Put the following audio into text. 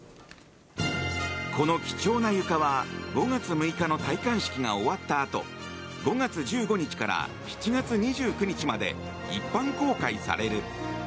この貴重な床は５月６日の戴冠式が終わったあと５月１５日から７月２９日まで一般公開される。